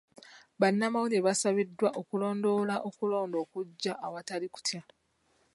Bannamawulire basabiddwa okulondoola okulonda okujja awatali kutya.